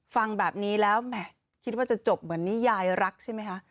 ฟังแบบนี้แล้วแหมคิดว่าจะจบเหมือนนิยายรักใช่ไหมคะ